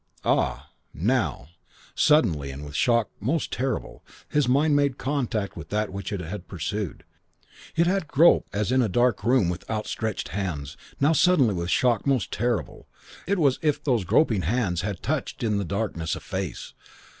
Ah, ...! Now, suddenly and with shock most terrible, his mind made contact with that which it had pursued. It had groped as in a dark room with outstretched hands. Now, suddenly and with shock most terrible, it was as if those groping hands had touched in the darkness a face.